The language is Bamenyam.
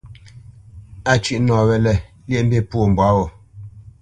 A cʉ́ʼ nɔ wɛ̂lɛ̂, lyéʼmbî pwô mbwǎ wo.